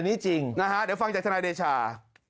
อันนี้จริงนะฮะเดี๋ยวฟังจากทนายเดชา